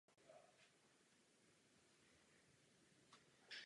Po návratu se "Ralph Talbot" zapojil do obsazení Šalomounových ostrovů.